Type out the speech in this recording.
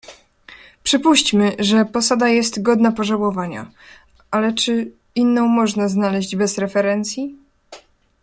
"Przypuśćmy, że posada jest godna pożałowania, ale czy inną można znaleźć bez referencji?"